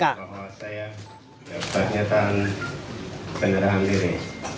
saya berhak nyetan penyerahan diri